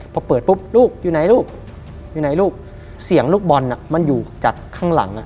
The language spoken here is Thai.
พอเปิดปุ๊บลูกอยู่ไหนลูกอยู่ไหนลูกเสียงลูกบอลมันอยู่จากข้างหลังอ่ะ